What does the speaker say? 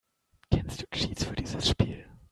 Kennst du Cheats für dieses Spiel?